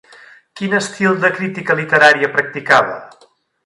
Quin estil de crítica literària practicava?